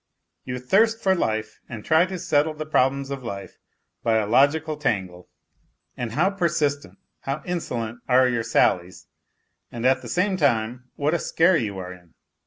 " You thirst for life and try to settle the problems of life by a logical tangle. NOTES FROM UNDERGROUND 79 And how persistent, how insolent are your sallies, and at the same time what a scare you are in